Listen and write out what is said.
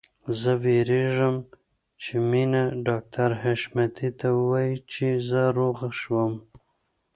زه وېرېږم چې مينه ډاکټر حشمتي ته ووايي چې زه روغه شوم